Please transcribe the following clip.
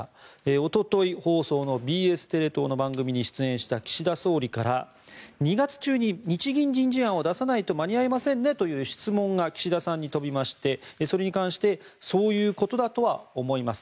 おととい放送のＢＳテレ東の番組に出演した岸田総理から２月中に日銀人事案を出さないと間に合いませんねという質問が岸田さんに飛びましてそれに関してそういうことだとは思います